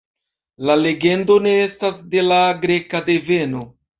La legendo ne estas de la greka deveno.